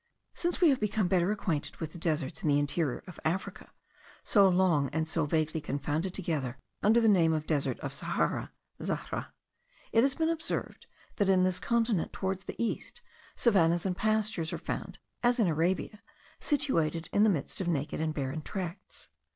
Since we have become better acquainted with the deserts in the interior of Africa, so long and so vaguely confounded together under the name of desert of Sahara (Zahra); it has been observed, that in this continent, towards the east, savannahs and pastures are found, as in Arabia, situated in the midst of naked and barren tracts.